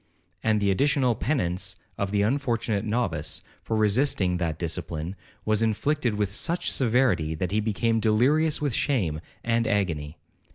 And the additional penance of the unfortunate novice, for resisting that discipline, was inflicted with such severity, that he became delirious with shame and agony.